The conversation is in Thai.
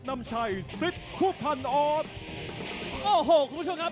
โอ้โหคุณผู้ชมครับ